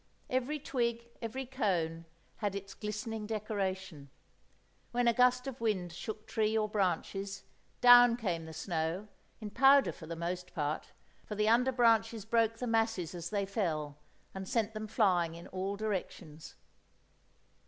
Every twig, every cone, had its glistening decoration. When a gust of wind shook tree or branches, down came the snow, in powder for the most part, for the under branches broke the masses as they fell, and sent them flying in all directions.